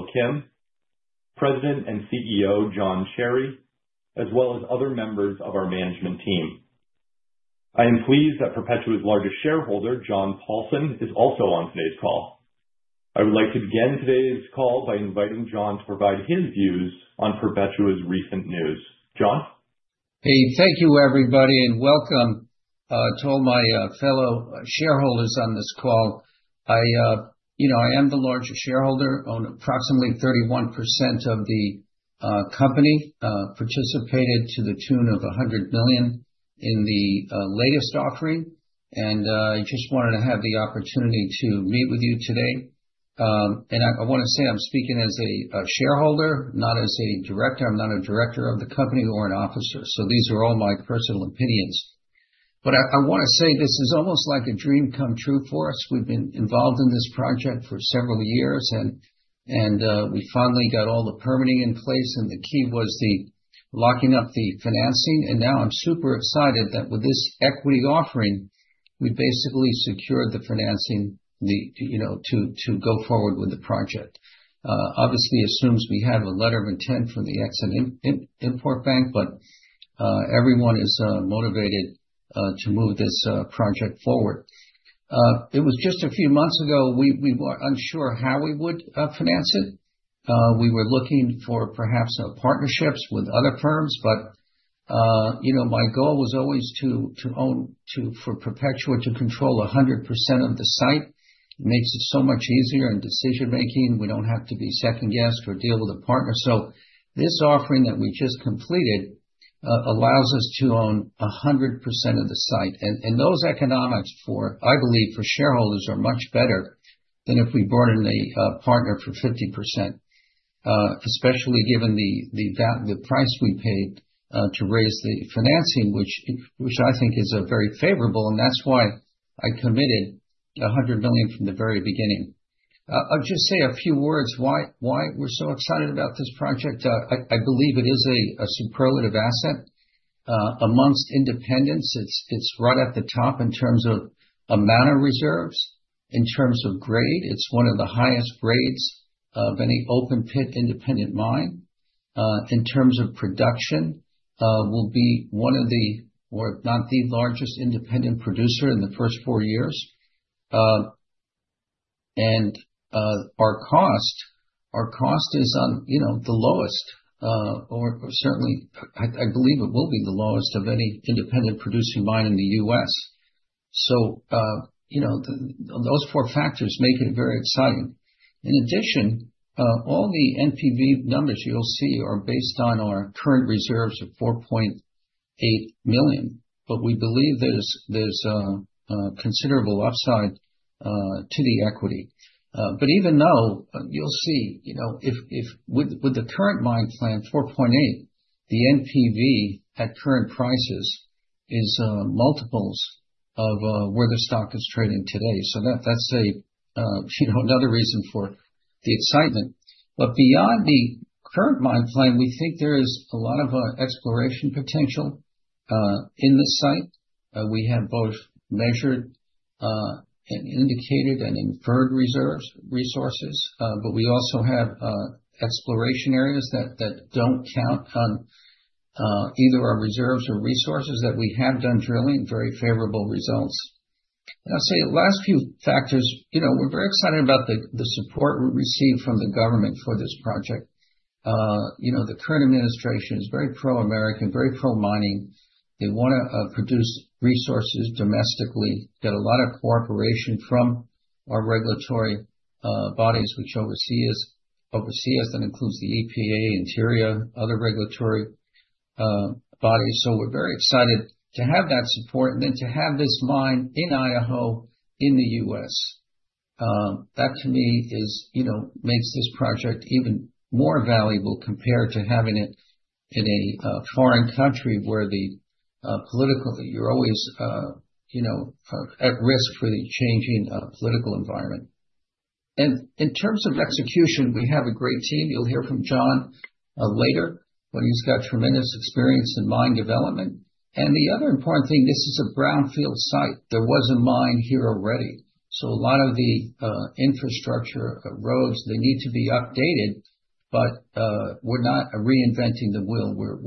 Hello, Kim. President and CEO Jon Cherry, as well as other members of our management team. I am pleased that Perpetua's largest shareholder, John Paulson, is also on today's call. I would like to begin today's call by inviting John to provide his views on Perpetua's recent news. John? Hey, thank you, everybody, and welcome. I told my fellow shareholders on this call. I am the largest shareholder, own approximately 31% of the company. I participated to the tune of $100 million in the latest offering, and I just wanted to have the opportunity to meet with you today, and I want to say I'm speaking as a shareholder, not as a director. I'm not a director of the company or an officer, so these are all my personal opinions, but I want to say this is almost like a dream come true for us. We've been involved in this project for several years, and we finally got all the permitting in place, and the key was locking up the financing, and now I'm super excited that with this equity offering, we basically secured the financing to go forward with the project. Obviously, it assumes we have a letter of intent from the Export-Import Bank, but everyone is motivated to move this project forward. It was just a few months ago, we were unsure how we would finance it. We were looking for perhaps partnerships with other firms, but my goal was always for Perpetua to control 100% of the site. It makes it so much easier in decision-making. We don't have to be second-guessed or deal with a partner. So this offering that we just completed allows us to own 100% of the site. And those economics, I believe, for shareholders are much better than if we brought in a partner for 50%, especially given the price we paid to raise the financing, which I think is very favorable. And that's why I committed $100 million from the very beginning. I'll just say a few words why we're so excited about this project. I believe it is a superlative asset amongst independents. It's right at the top in terms of amount of reserves. In terms of grade, it's one of the highest grades of any open-pit independent mine. In terms of production, we'll be one of the, or if not the largest independent producer in the first four years. And our cost is on the lowest, or certainly, I believe it will be the lowest of any independent producing mine in the U.S. So those four factors make it very exciting. In addition, all the NPV numbers you'll see are based on our current reserves of $4.8 million. But we believe there's considerable upside to the equity. But even though you'll see, with the current mine plan, $4.8, the NPV at current prices is multiples of where the stock is trading today. So that's another reason for the excitement. But beyond the current mine plan, we think there is a lot of exploration potential in this site. We have both measured and indicated and inferred resources, but we also have exploration areas that don't count on either our reserves or resources that we have done drilling, very favorable results. I'll say last few factors, we're very excited about the support we received from the government for this project. The current administration is very pro-American, very pro-mining. They want to produce resources domestically, get a lot of cooperation from our regulatory bodies which oversee us. That includes the EPA, Interior, other regulatory bodies. So we're very excited to have that support and then to have this mine in Idaho in the U.S. That, to me, makes this project even more valuable compared to having it in a foreign country where politically you're always at risk for the changing political environment. And in terms of execution, we have a great team. You'll hear from Jon later when he's got tremendous experience in mine development. And the other important thing, this is a brownfield site. There was a mine here already. So a lot of the infrastructure roads, they need to be updated, but we're not reinventing the wheel. We're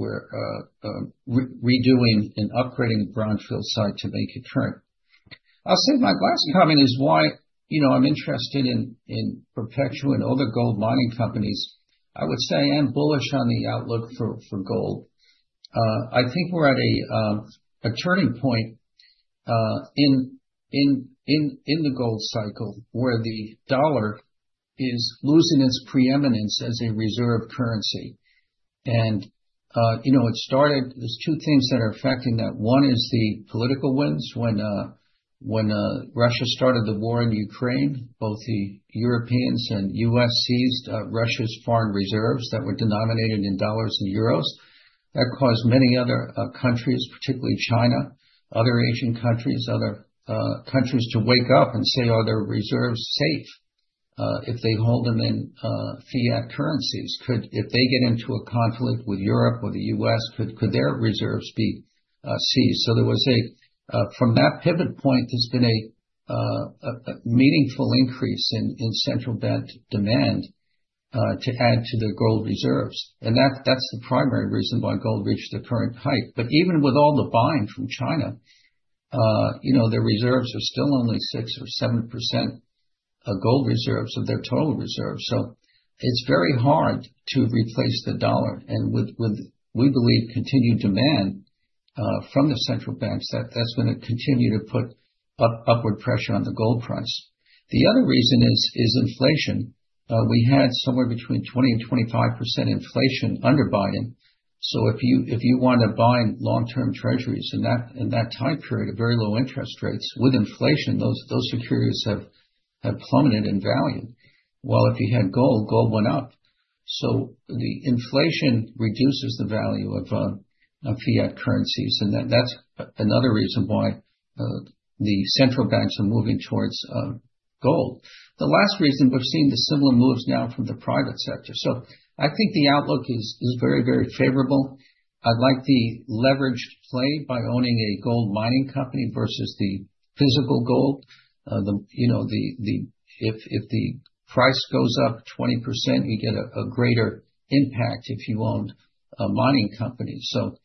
redoing and upgrading the brownfield site to make it current. I'll say my last comment is why I'm interested in Perpetua and other gold mining companies. I would say I am bullish on the outlook for gold. I think we're at a turning point in the gold cycle where the dollar is losing its preeminence as a reserve currency, and it started. There's two things that are affecting that. One is the political winds. When Russia started the war in Ukraine, both the Europeans and U.S. seized Russia's foreign reserves that were denominated in dollars and euros. That caused many other countries, particularly China, other Asian countries, other countries to wake up and say, "Are their reserves safe if they hold them in fiat currencies? Could, if they get into a conflict with Europe or the U.S., could their reserves be seized?" From that pivot point, there's been a meaningful increase in central bank demand to add to the gold reserves, and that's the primary reason why gold reached the current height. But even with all the buying from China, their reserves are still only 6% or 7% of gold reserves of their total reserves. So it's very hard to replace the dollar. And with, we believe, continued demand from the central banks, that's going to continue to put upward pressure on the gold price. The other reason is inflation. We had somewhere between 20% and 25% inflation under Biden. So if you want to buy long-term treasuries in that time period of very low interest rates, with inflation, those securities have plummeted in value. While if you had gold, gold went up. So the inflation reduces the value of fiat currencies. And that's another reason why the central banks are moving towards gold. The last reason, we've seen the similar moves now from the private sector. So I think the outlook is very, very favorable. I'd like the leveraged play by owning a gold mining company versus the physical gold. If the price goes up 20%, you get a greater impact if you own a mining company. So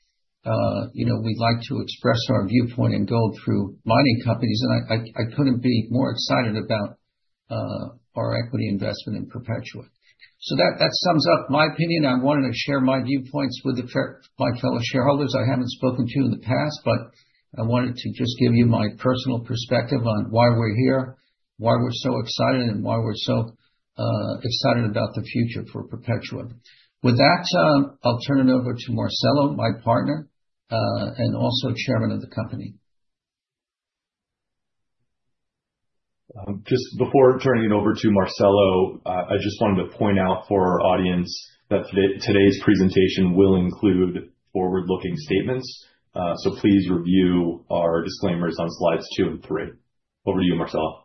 we'd like to express our viewpoint in gold through mining companies. And I couldn't be more excited about our equity investment in Perpetua. So that sums up my opinion. I wanted to share my viewpoints with my fellow shareholders I haven't spoken to in the past, but I wanted to just give you my personal perspective on why we're here, why we're so excited, and why we're so excited about the future for Perpetua. With that, I'll turn it over to Marcelo, my partner and also chairman of the company. Just before turning it over to Marcelo, I just wanted to point out for our audience that today's presentation will include forward-looking statements. So please review our disclaimers on slides two and three. Over to you, Marcelo.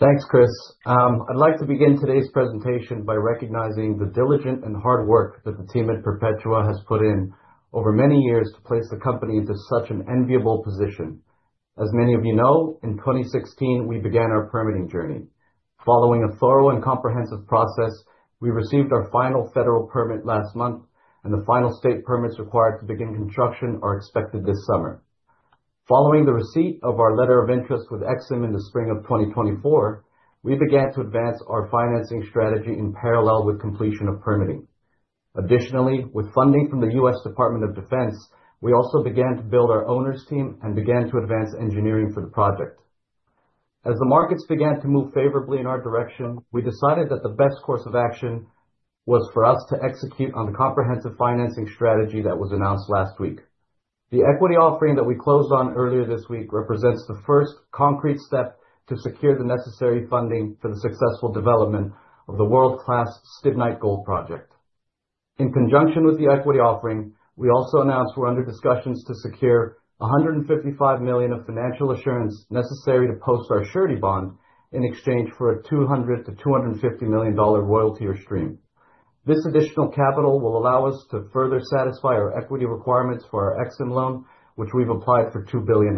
Thanks, Chris. I'd like to begin today's presentation by recognizing the diligent and hard work that the team at Perpetua has put in over many years to place the company into such an enviable position. As many of you know, in 2016, we began our permitting journey. Following a thorough and comprehensive process, we received our final federal permit last month, and the final state permits required to begin construction are expected this summer. Following the receipt of our letter of interest with EXIM in the spring of 2024, we began to advance our financing strategy in parallel with completion of permitting. Additionally, with funding from the U.S. Department of Defense, we also began to build our owners team and began to advance engineering for the project. As the markets began to move favorably in our direction, we decided that the best course of action was for us to execute on the comprehensive financing strategy that was announced last week. The equity offering that we closed on earlier this week represents the first concrete step to secure the necessary funding for the successful development of the world-class Stibnite Gold Project. In conjunction with the equity offering, we also announced we're under discussions to secure $155 million of financial assurance necessary to post our surety bond in exchange for a $200 million-$250 million royalty stream. This additional capital will allow us to further satisfy our equity requirements for our Ex-Im loan, which we've applied for $2 billion.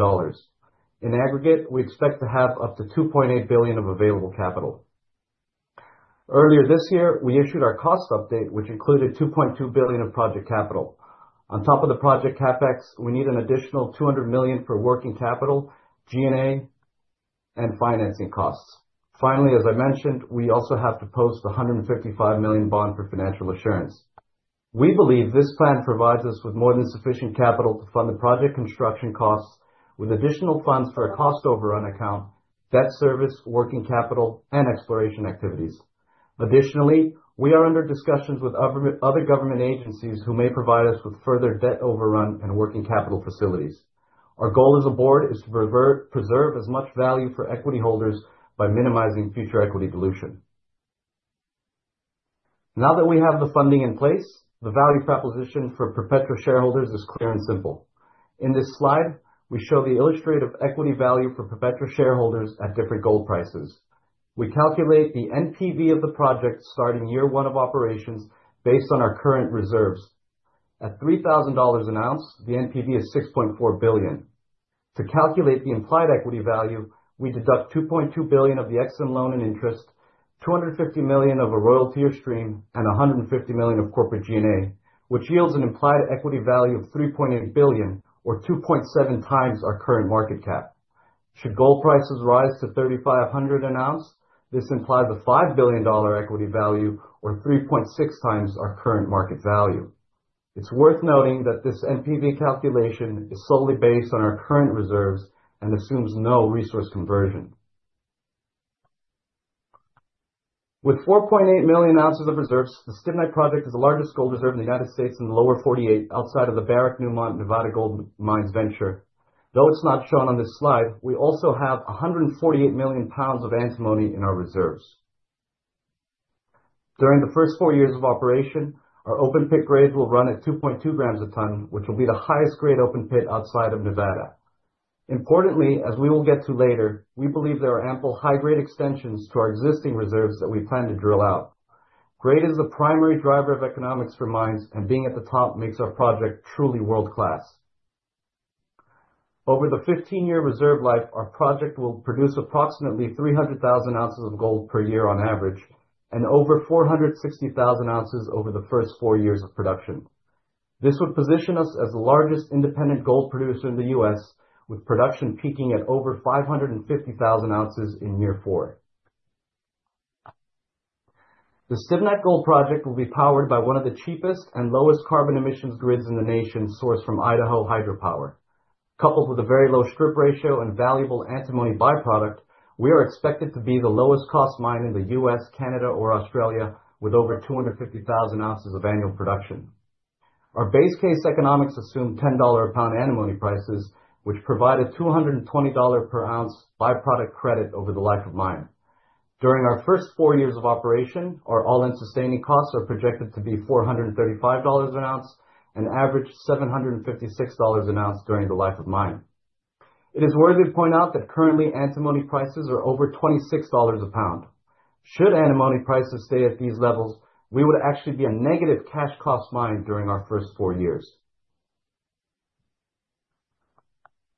In aggregate, we expect to have up to $2.8 billion of available capital. Earlier this year, we issued our cost update, which included $2.2 billion of project capital. On top of the project CapEx, we need an additional $200 million for working capital, G&A, and financing costs. Finally, as I mentioned, we also have to post the $155 million bond for financial assurance. We believe this plan provides us with more than sufficient capital to fund the project construction costs with additional funds for a cost overrun account, debt service, working capital, and exploration activities. Additionally, we are under discussions with other government agencies who may provide us with further debt overrun and working capital facilities. Our goal as a board is to preserve as much value for equity holders by minimizing future equity dilution. Now that we have the funding in place, the value proposition for Perpetua shareholders is clear and simple. In this slide, we show the illustrative equity value for Perpetua shareholders at different gold prices. We calculate the NPV of the project starting year one of operations based on our current reserves. At $3,000 an ounce, the NPV is $6.4 billion. To calculate the implied equity value, we deduct $2.2 billion of the EXIM loan and interest, $250 million of a royalty stream, and $150 million of corporate G&A, which yields an implied equity value of $3.8 billion, or 2.7x our current market cap. Should gold prices rise to $3,500 an ounce, this implies a $5 billion equity value, or 3.6x our current market value. It's worth noting that this NPV calculation is solely based on our current reserves and assumes no resource conversion. With 4.8 million ounces of reserves, the Stibnite Project is the largest gold reserve in the United States in the lower 48 outside of the Barrick-Newmont-Nevada Gold Mines venture. Though it's not shown on this slide, we also have 148 million pounds of antimony in our reserves. During the first four years of operation, our open-pit grades will run at 2.2 g a ton, which will be the highest grade open-pit outside of Nevada. Importantly, as we will get to later, we believe there are ample high-grade extensions to our existing reserves that we plan to drill out. Grade is the primary driver of economics for mines, and being at the top makes our project truly world-class. Over the 15-year reserve life, our project will produce approximately 300,000 ounces of gold per year on average and over 460,000 ounces over the first four years of production. This would position us as the largest independent gold producer in the U.S., with production peaking at over 550,000 ounces in year four. The Stibnite Gold Project will be powered by one of the cheapest and lowest carbon emissions grids in the nation sourced from Idaho Hydropower. Coupled with a very low strip ratio and valuable antimony byproduct, we are expected to be the lowest-cost mine in the U.S., Canada, or Australia with over 250,000 ounces of annual production. Our base case economics assume $10 a pound antimony prices, which provide a $220 per ounce byproduct credit over the life of mine. During our first four years of operation, our all-in sustaining costs are projected to be $435 an ounce and average $756 an ounce during the life of mine. It is worthy to point out that currently antimony prices are over $26 a pound. Should antimony prices stay at these levels, we would actually be a negative cash cost mine during our first four years.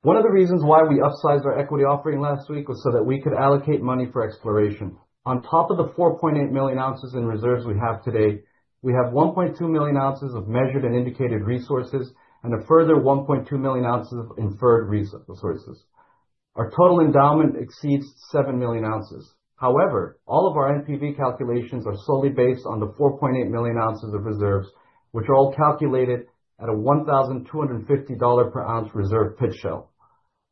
One of the reasons why we upsized our equity offering last week was so that we could allocate money for exploration. On top of the 4.8 million ounces in reserves we have today, we have 1.2 million ounces of measured and indicated resources and a further 1.2 million ounces of inferred resources. Our total endowment exceeds 7 million ounces. However, all of our NPV calculations are solely based on the 4.8 million ounces of reserves, which are all calculated at a $1,250 per ounce reserve pit shell.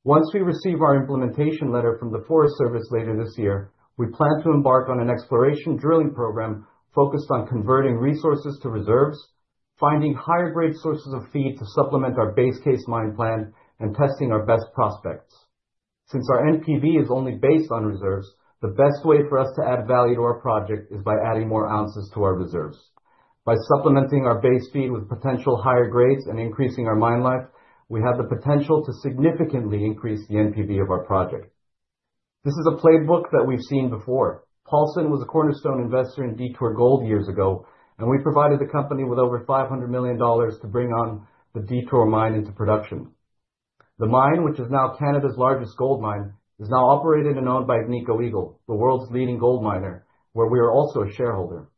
Once we receive our implementation letter from the Forest Service later this year, we plan to embark on an exploration drilling program focused on converting resources to reserves, finding higher-grade sources of feed to supplement our base case mine plan, and testing our best prospects. Since our NPV is only based on reserves, the best way for us to add value to our project is by adding more ounces to our reserves. By supplementing our base feed with potential higher grades and increasing our mine life, we have the potential to significantly increase the NPV of our project. This is a playbook that we've seen before. Paulson was a cornerstone investor in Detour Gold years ago, and we provided the company with over $500 million to bring on the Detour mine into production. The mine, which is now Canada's largest gold mine, is now operated and owned by Agnico Eagle, the world's leading gold miner, where we are also a shareholder.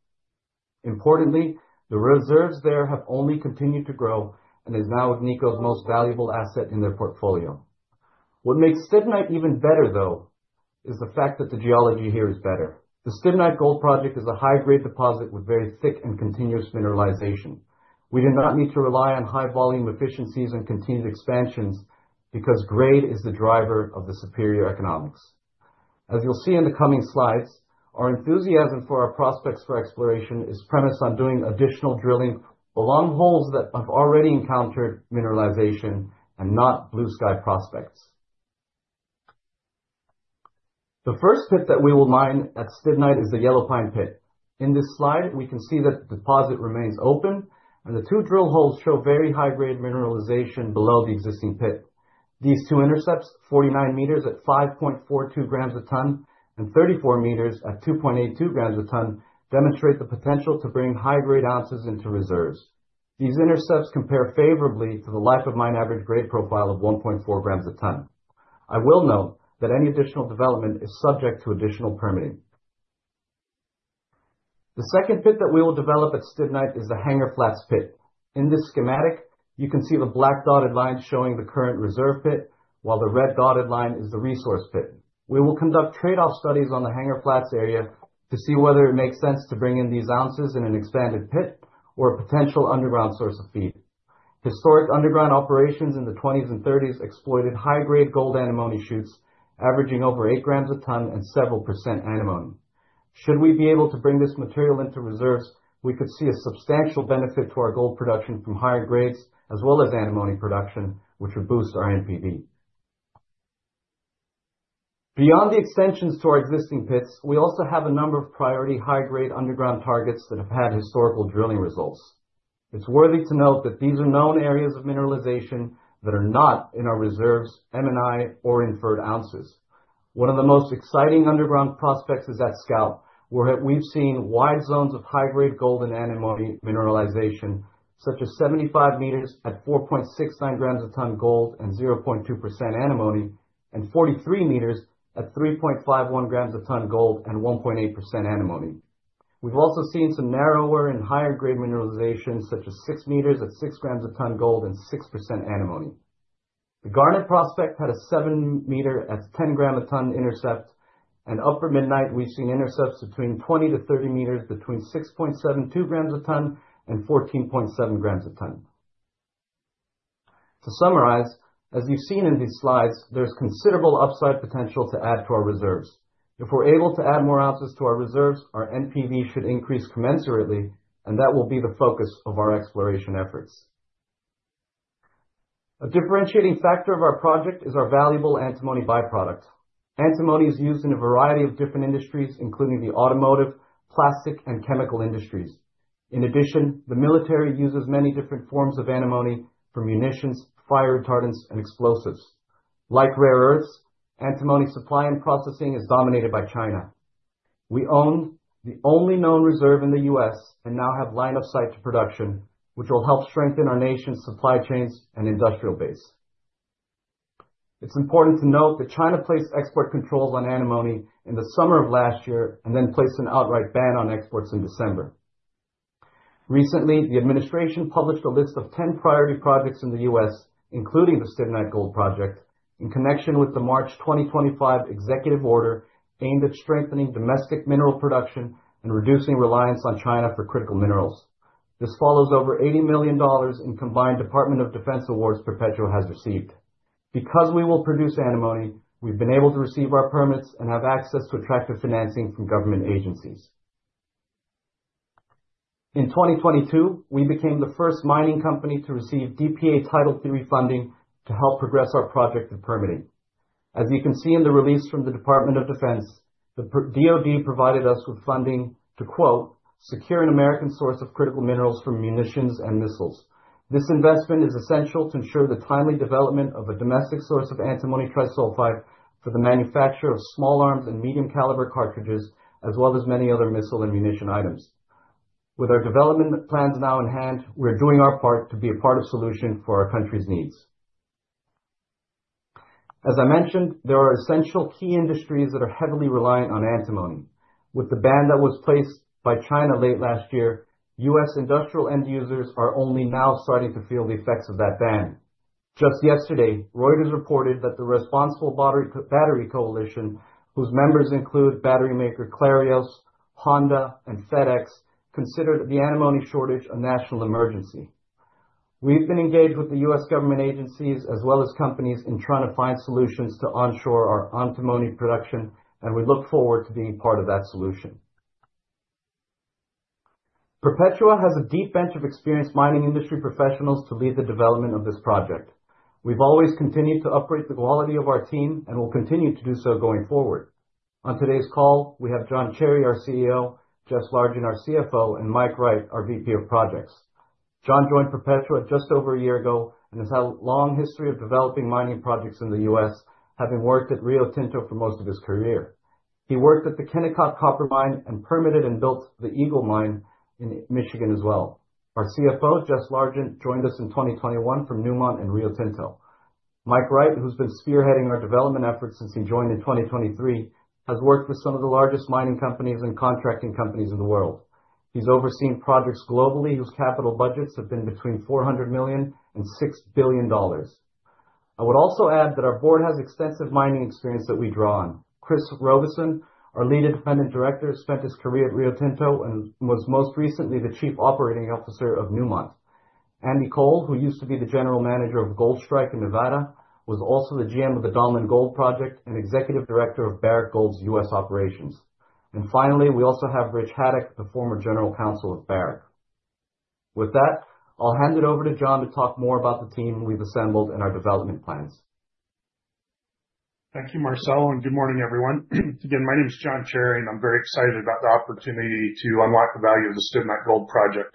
Importantly, the reserves there have only continued to grow and is now Agnico Eagle's most valuable asset in their portfolio. What makes Stibnite even better, though, is the fact that the geology here is better. The Stibnite Gold Project is a high-grade deposit with very thick and continuous mineralization. We do not need to rely on high-volume efficiencies and continued expansions because grade is the driver of the superior economics. As you'll see in the coming slides, our enthusiasm for our prospects for exploration is premised on doing additional drilling along holes that have already encountered mineralization and not blue sky prospects. The first pit that we will mine at Stibnite is the Yellow Pine pit. In this slide, we can see that the deposit remains open, and the two drill holes show very high-grade mineralization below the existing pit. These two intercepts, 49 m at 5.42 g a ton and 34 m at 2.82 g a ton, demonstrate the potential to bring high-grade ounces into reserves. These intercepts compare favorably to the life of mine average grade profile of 1.4 g a ton. I will note that any additional development is subject to additional permitting. The second pit that we will develop at Stibnite is the Hangar Flats pit. In this schematic, you can see the black dotted line showing the current reserve pit, while the red dotted line is the resource pit. We will conduct trade-off studies on the Hangar Flats area to see whether it makes sense to bring in these ounces in an expanded pit or a potential underground source of feed. Historic underground operations in the 1920s and 1930s exploited high-grade gold antimony shoots averaging over eight g a ton and several% antimony. Should we be able to bring this material into reserves, we could see a substantial benefit to our gold production from higher grades, as well as antimony production, which would boost our NPV. Beyond the extensions to our existing pits, we also have a number of priority high-grade underground targets that have had historical drilling results. It's worth noting that these are known areas of mineralization that are not in our reserves, M&I, or inferred ounces. One of the most exciting underground prospects is at Scout, where we've seen wide zones of high-grade gold and antimony mineralization, such as 75 m at 4.69 g a ton gold and 0.2% antimony, and 43 m at 3.51 g a ton gold and 1.8% antimony. We've also seen some narrower and higher-grade mineralization, such as 6 m at 6 g a ton gold and 6% antimony. The Garnet prospect had a seven meter at 10 gram a ton intercept, and Upper Midnight, we've seen intercepts between 20 to 30 m between 6.72 g a ton and 14.7 g a ton. To summarize, as you've seen in these slides, there's considerable upside potential to add to our reserves. If we're able to add more ounces to our reserves, our NPV should increase commensurately, and that will be the focus of our exploration efforts. A differentiating factor of our project is our valuable antimony byproduct. Antimony is used in a variety of different industries, including the automotive, plastic, and chemical industries. In addition, the military uses many different forms of antimony for munitions, fire retardants, and explosives. Like rare earths, antimony supply and processing is dominated by China. We own the only known reserve in the U.S. and now have line of sight to production, which will help strengthen our nation's supply chains and industrial base. It's important to note that China placed export controls on antimony in the summer of last year and then placed an outright ban on exports in December. Recently, the administration published a list of 10 priority projects in the U.S., including the Stibnite Gold Project, in connection with the March 2025 executive order aimed at strengthening domestic mineral production and reducing reliance on China for critical minerals. This follows over $80 million in combined Department of Defense awards Perpetua has received. Because we will produce antimony, we've been able to receive our permits and have access to attractive financing from government agencies. In 2022, we became the first mining company to receive DPA Title III funding to help progress our project and permitting. As you can see in the release from the U.S. Department of Defense, the DOD provided us with funding to, quote, "Secure an American source of critical minerals for munitions and missiles." This investment is essential to ensure the timely development of a domestic source of antimony trisulfide for the manufacture of small arms and medium caliber cartridges, as well as many other missile and munition items. With our development plans now in hand, we're doing our part to be a part of solution for our country's needs. As I mentioned, there are essential key industries that are heavily reliant on antimony. With the ban that was placed by China late last year, U.S. industrial end users are only now starting to feel the effects of that ban. Just yesterday, Reuters reported that the Responsible Battery Coalition, whose members include battery maker Clarios, Honda, and FedEx, considered the antimony shortage a national emergency. We've been engaged with the U.S. government agencies as well as companies in trying to find solutions to onshore our antimony production, and we look forward to being part of that solution. Perpetua has a deep bench of experienced mining industry professionals to lead the development of this project. We've always continued to upgrade the quality of our team and will continue to do so going forward. On today's call, we have Jon Cherry, our CEO, Jess Largent, our CFO, and Mike Wright, our VP of Projects. Jon joined Perpetua just over a year ago and has had a long history of developing mining projects in the U.S., having worked at Rio Tinto for most of his career. He worked at the Kennecott Copper Mine and permitted and built the Eagle Mine in Michigan as well. Our CFO, Jess Largent, joined us in 2021 from Newmont and Rio Tinto. Mike Wright, who's been spearheading our development efforts since he joined in 2023, has worked with some of the largest mining companies and contracting companies in the world. He's overseen projects globally whose capital budgets have been between $400 million and $6 billion. I would also add that our board has extensive mining experience that we draw on. Chris Robison, our lead independent director, spent his career at Rio Tinto and was most recently the chief operating officer of Newmont. Andy Cole, who used to be the general manager of Goldstrike in Nevada, was also the GM of the Donlin Gold Project and executive director of Barrick Gold's U.S. operations. And finally, we also have Rich Haddock, the former general counsel of Barrick. With that, I'll hand it over to Jon to talk more about the team we've assembled and our development plans. Thank you, Marcelo, and good morning, everyone. Again, my name is Jon Cherry, and I'm very excited about the opportunity to unlock the value of the Stibnite Gold Project.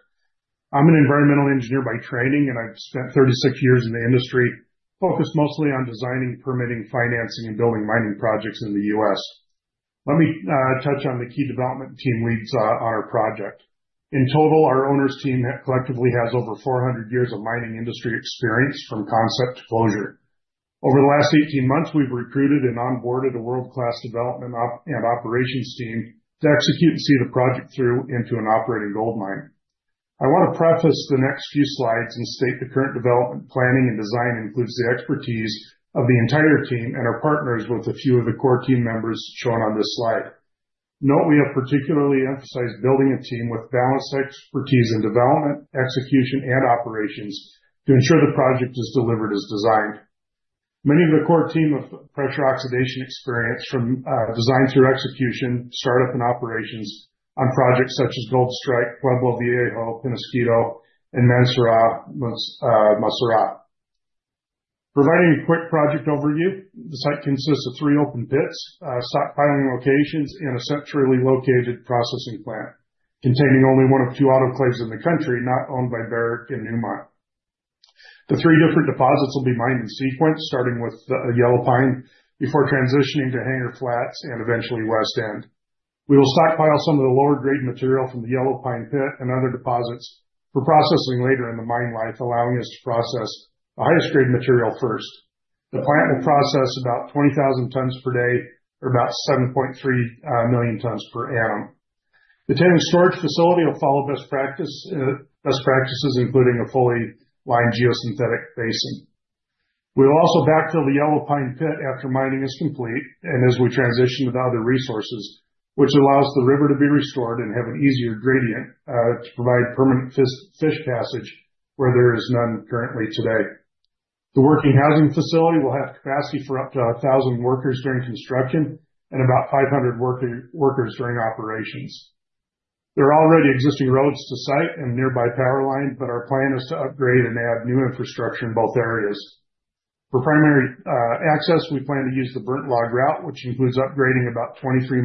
I'm an environmental engineer by training, and I've spent 36 years in the industry focused mostly on designing, permitting, financing, and building mining projects in the U.S. Let me touch on the key development team leads on our project. In total, our owners' team collectively has over 400 years of mining industry experience from concept to closure. Over the last 18 months, we've recruited and onboarded a world-class development and operations team to execute and see the project through into an operating gold mine. I want to preface the next few slides and state the current development planning and design includes the expertise of the entire team and our partners with a few of the core team members shown on this slide. Note we have particularly emphasized building a team with balanced expertise in development, execution, and operations to ensure the project is delivered as designed. Many of the core team have pressure oxidation experience from design through execution, startup, and operations on projects such as Goldstrike, Pueblo Viejo, Peñasquito, and Mansourah-Massarah. Providing a quick project overview, the site consists of three open pits, stockpiling locations, and a centrally located processing plant containing only one of two autoclaves in the country not owned by Barrick and Newmont. The three different deposits will be mined in sequence, starting with the Yellow Pine before transitioning to Hangar Flats and eventually West End. We will stockpile some of the lower-grade material from the Yellow Pine pit and other deposits for processing later in the mine life, allowing us to process the highest-grade material first. The plant will process about 20,000 tons per day or about 7.3 million tons per annum. The Tailings Storage Facility will follow best practices, including a fully lined geosynthetic basin. We will also backfill the Yellow Pine pit after mining is complete and as we transition to the other resources, which allows the river to be restored and have an easier gradient to provide permanent fish passage where there is none currently today. The workforce housing facility will have capacity for up to 1,000 workers during construction and about 500 workers during operations. There are already existing roads to site and nearby power line, but our plan is to upgrade and add new infrastructure in both areas. For primary access, we plan to use the Burntlog Route, which includes upgrading about 23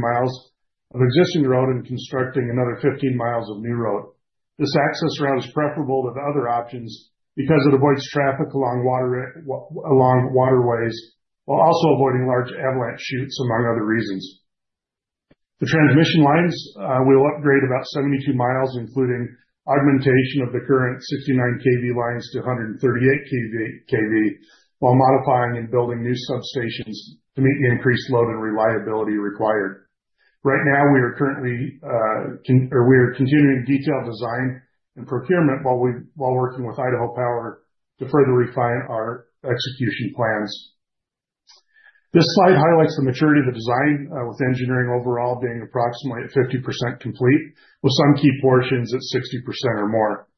mi of existing road and constructing another 15 mi of new road. This access route is preferable to the other options because it avoids traffic along waterways while also avoiding large avalanche chutes among other reasons. The transmission lines, we'll upgrade about 72 mi, including augmentation of the current 69 kV lines to 138 kV while modifying and building new substations to meet the increased load and reliability required. Right now, we are continuing detailed design and procurement while working with Idaho Power to further refine our execution plans. This slide highlights the maturity of the design, with engineering overall being approximately at 50% complete, with some key portions at 60% or more.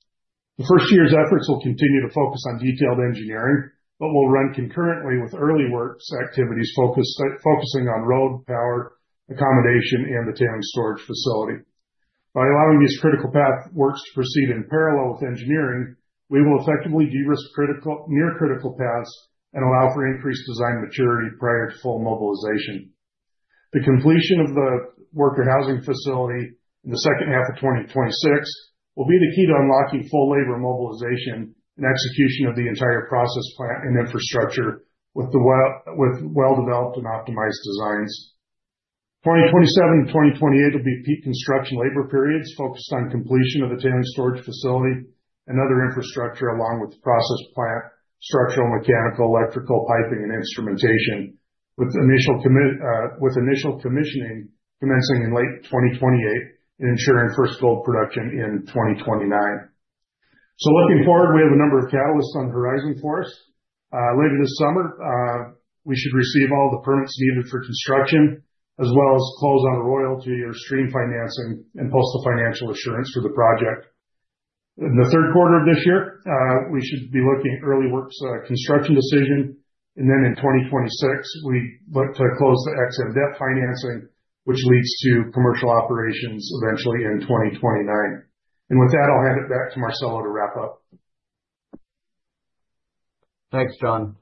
The first year's efforts will continue to focus on detailed engineering, but will run concurrently with early works activities focusing on road, power, accommodation, and the tailings storage facility. By allowing these critical path works to proceed in parallel with engineering, we will effectively de-risk critical near-critical paths and allow for increased design maturity prior to full mobilization. The completion of the worker housing facility in the second half of 2026 will be the key to unlocking full labor mobilization and execution of the entire process plant and infrastructure with well-developed and optimized designs. 2027 and 2028 will be peak construction labor periods focused on completion of the tailings storage facility and other infrastructure along with process plant, structural, mechanical, electrical, piping, and instrumentation, with initial commissioning commencing in late 2028 and ensuring first gold production in 2029. So looking forward, we have a number of catalysts on the horizon for us. Later this summer, we should receive all the permits needed for construction, as well as close on the royalty or stream financing and post the financial assurance for the project. In the third quarter of this year, we should be looking at early works construction decision, and then in 2026, we look to close the EXIM financing, which leads to commercial operations eventually in 2029. And with that, I'll hand it back to Marcelo to wrap up. Thanks, Jon.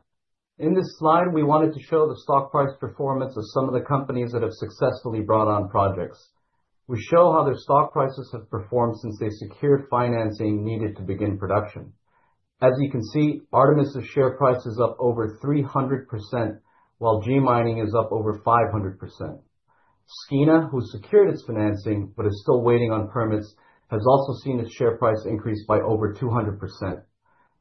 In this slide, we wanted to show the stock price performance of some of the companies that have successfully brought on projects. We show how their stock prices have performed since they secured financing needed to begin production. As you can see, Artemis's share price is up over 300%, while G Mining is up over 500%. Skeena, who secured its financing but is still waiting on permits, has also seen its share price increase by over 200%.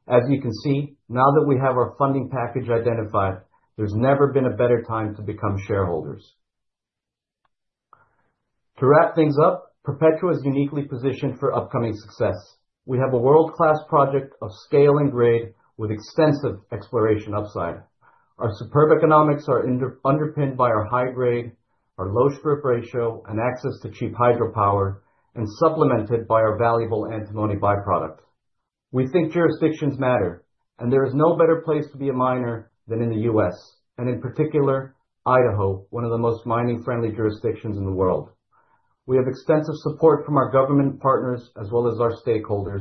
As you can see, now that we have our funding package identified, there's never been a better time to become shareholders. To wrap things up, Perpetua is uniquely positioned for upcoming success. We have a world-class project of scale and grade with extensive exploration upside. Our superb economics are underpinned by our high grade, our low strip ratio, and access to cheap hydropower, and supplemented by our valuable antimony byproduct. We think jurisdictions matter, and there is no better place to be a miner than in the U.S., and in particular, Idaho, one of the most mining-friendly jurisdictions in the world. We have extensive support from our government partners as well as our stakeholders,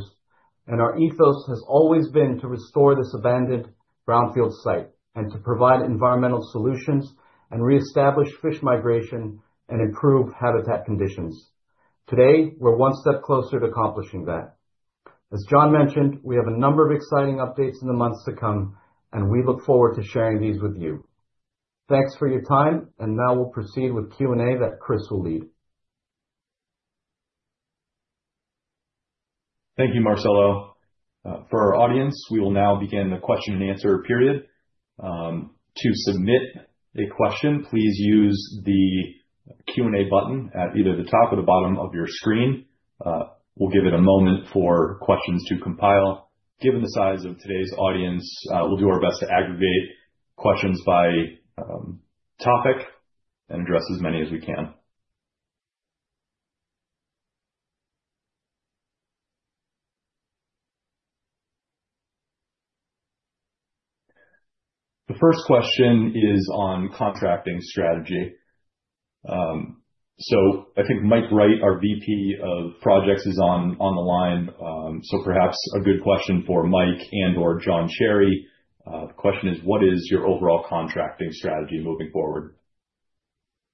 and our ethos has always been to restore this abandoned brownfield site and to provide environmental solutions and reestablish fish migration and improve habitat conditions. Today, we're one step closer to accomplishing that. As Jon mentioned, we have a number of exciting updates in the months to come, and we look forward to sharing these with you. Thanks for your time, and now we'll proceed with Q&A that Chris will lead. Thank you, Marcelo. For our audience, we will now begin the question and answer period. To submit a question, please use the Q&A button at either the top or the bottom of your screen. We'll give it a moment for questions to compile. Given the size of today's audience, we'll do our best to aggregate questions by topic and address as many as we can. The first question is on contracting strategy. So I think Mike Wright, our VP of Projects, is on the line. So perhaps a good question for Mike and/or Jon Cherry. The question is, what is your overall contracting strategy moving forward?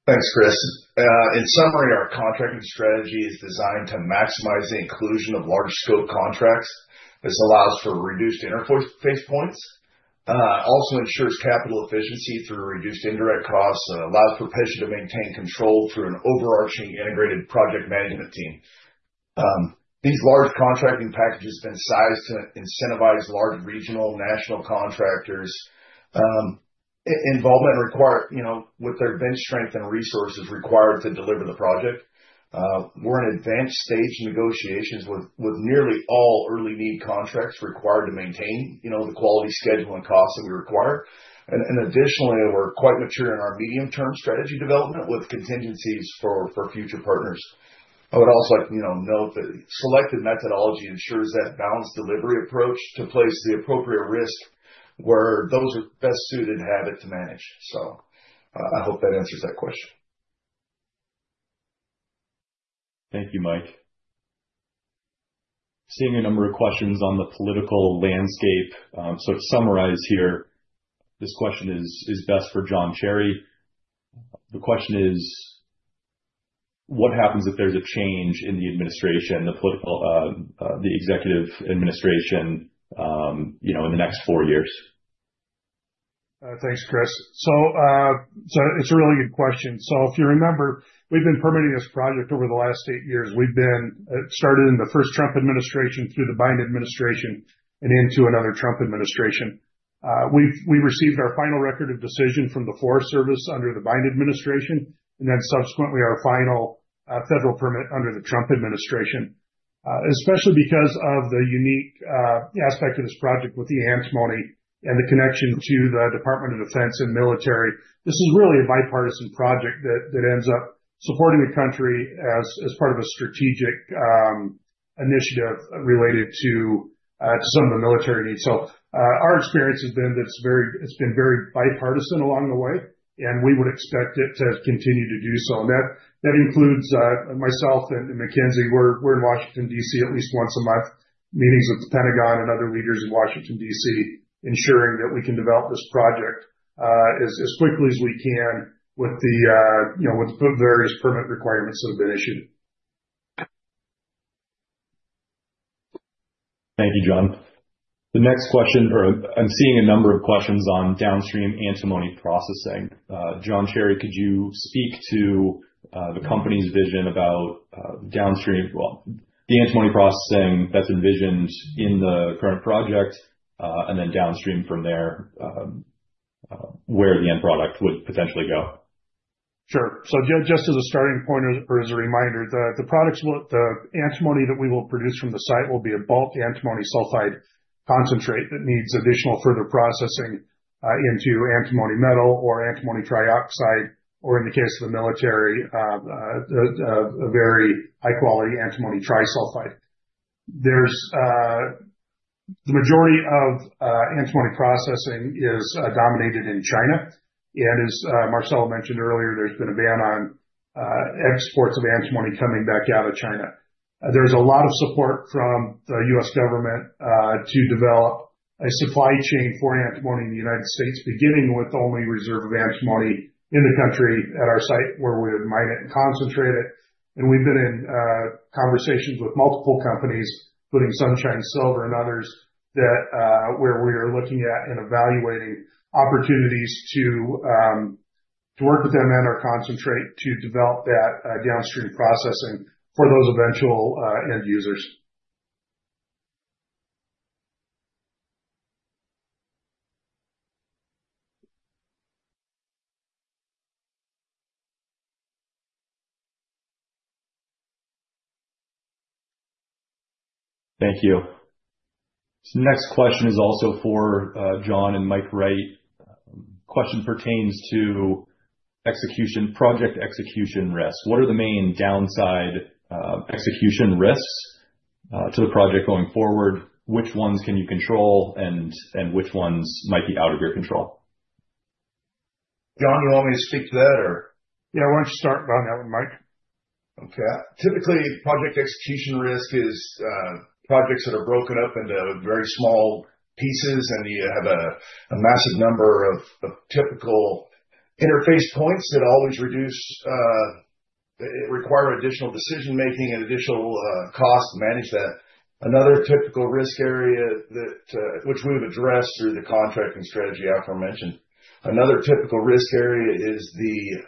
Thanks, Chris. In summary, our contracting strategy is designed to maximize the inclusion of large-scope contracts. This allows for reduced interface points, also ensures capital efficiency through reduced indirect costs, and allows for Perpetua to maintain control through an overarching integrated project management team. These large contracting packages have been sized to incentivize large regional national contractors' involvement with their bench strength and resources required to deliver the project. We're in advanced stage negotiations with nearly all early need contracts required to maintain the quality schedule and costs that we require. And additionally, we're quite mature in our medium-term strategy development with contingencies for future partners. I would also like to note that selected methodology ensures that balanced delivery approach to place the appropriate risk where those are best suited to have it to manage. So I hope that answers that question. Thank you, Mike. Seeing a number of questions on the political landscape. So to summarize here, this question is best for Jon Cherry. The question is, what happens if there's a change in the administration, the executive administration in the next four years? Thanks, Chris. So it's a really good question. So if you remember, we've been permitting this project over the last eight years. We've been started in the first Trump administration through the Biden administration and into another Trump administration. We received our final record of decision from the Forest Service under the Biden administration and then subsequently our final federal permit under the Trump administration, especially because of the unique aspect of this project with the antimony and the connection to the Department of Defense and military. This is really a bipartisan project that ends up supporting the country as part of a strategic initiative related to some of the military needs. So our experience has been that it's been very bipartisan along the way, and we would expect it to continue to do so. And that includes myself and McKenzie. We're in Washington, D.C., at least once a month, meetings with the Pentagon and other leaders in Washington, D.C., ensuring that we can develop this project as quickly as we can with the various permit requirements that have been issued. Thank you, John. The next question, or I'm seeing a number of questions on downstream antimony processing. Jon Cherry, could you speak to the company's vision about downstream, well, the antimony processing that's envisioned in the current project and then downstream from there, where the end product would potentially go? Sure. So just as a starting point or as a reminder, the antimony that we will produce from the site will be a bulk antimony sulfide concentrate that needs additional further processing into antimony metal or antimony trioxide, or in the case of the military, a very high-quality antimony trisulfide. The majority of antimony processing is dominated in China. And as Marcelo mentioned earlier, there's been a ban on exports of antimony coming back out of China. There's a lot of support from the U.S. government to develop a supply chain for antimony in the United States, beginning with the only reserve of antimony in the country at our site where we would mine it and concentrate it. We've been in conversations with multiple companies, including Sunshine Silver and others, where we are looking at and evaluating opportunities to work with them and/or concentrate to develop that downstream processing for those eventual end users. Thank you. So the next question is also for Jon and Mike Wright. The question pertains to project execution risks. What are the main downside execution risks to the project going forward? Which ones can you control and which ones might be out of your control? Jon, do you want me to speak to that or? Yeah, why don't you start on that one, Mike? Okay. Typically, project execution risk is projects that are broken up into very small pieces and you have a massive number of typical interface points that always require additional decision-making and additional cost to manage that. Another typical risk area which we've addressed through the contracting strategy aforementioned. Another typical risk area is the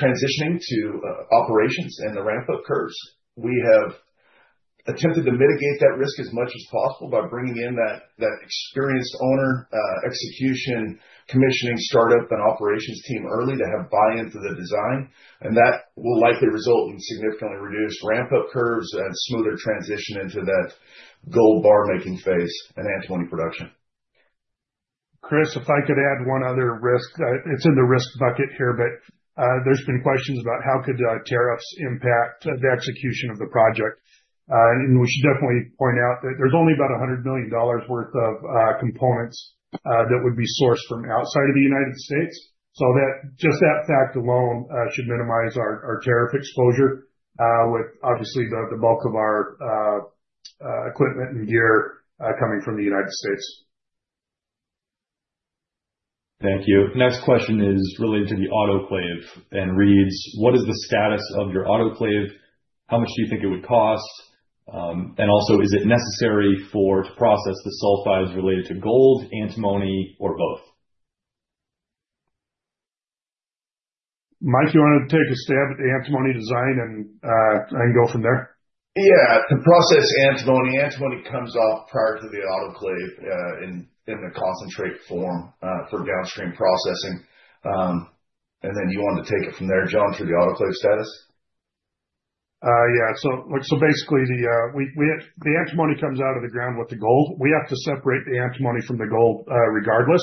transitioning to operations and the ramp-up curves. We have attempted to mitigate that risk as much as possible by bringing in that experienced owner, execution, commissioning, startup, and operations team early to have buy-in to the design, and that will likely result in significantly reduced ramp-up curves and smoother transition into that gold bar-making phase and antimony production. Chris, if I could add one other risk, it's in the risk bucket here, but there's been questions about how could tariffs impact the execution of the project. And we should definitely point out that there's only about $100 million worth of components that would be sourced from outside of the United States. So just that fact alone should minimize our tariff exposure with, obviously, the bulk of our equipment and gear coming from the United States. Thank you. Next question is related to the autoclave and reads, what is the status of your autoclave? How much do you think it would cost? And also, is it necessary to process the sulfides related to gold, antimony, or both? Mike, do you want to take a stab at the antimony design and go from there? Yeah. To process antimony, antimony comes off prior to the autoclave in the concentrate form for downstream processing. And then you want to take it from there, Jon, through the autoclave status? Yeah. So basically, the antimony comes out of the ground with the gold. We have to separate the antimony from the gold regardless.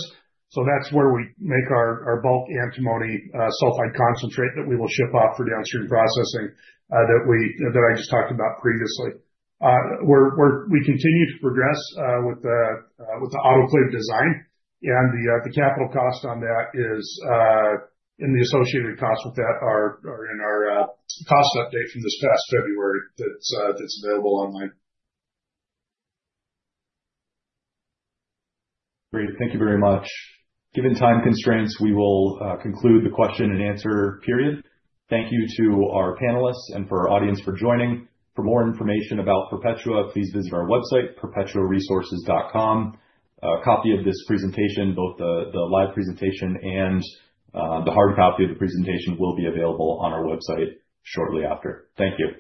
So that's where we make our bulk antimony sulfide concentrate that we will ship off for downstream processing that I just talked about previously. We continue to progress with the autoclave design, and the capital cost on that is in the associated costs with that are in our cost update from this past February that's available online. Great. Thank you very much. Given time constraints, we will conclude the question and answer period. Thank you to our panelists and for our audience for joining. For more information about Perpetua, please visit our website, perpetuaresources.com. A copy of this presentation, both the live presentation and the hard copy of the presentation, will be available on our website shortly after. Thank you.